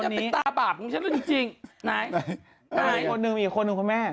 จะเป็นตาบาปมึงฉันนี่จริงไหนไหนอีกคนหนึ่งอีกคนหนึ่งพวกแม่